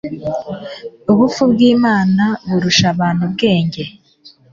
ubupfu bw'imana burusha abantu ubwenge